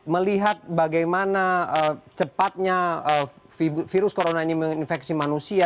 melihat bagaimana cepatnya virus corona ini menginfeksi manusia